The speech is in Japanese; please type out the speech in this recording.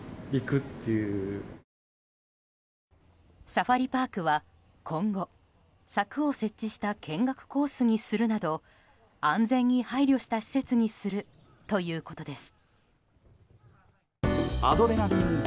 サファリパークは今後、柵を設置した見学コースにするなど安全に配慮した施設にするということです。